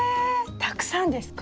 たくさんですか？